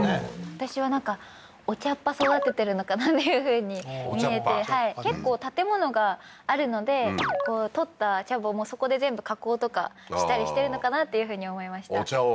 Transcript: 私はなんかお茶っ葉育ててるのかなっていうふうに見えてはい結構建物があるので採った茶葉もそこで全部加工とかしたりしてるのかなっていうふうに思いましたお茶を？